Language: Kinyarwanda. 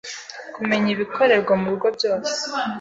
kumenya ibikorerwa mu rugo byose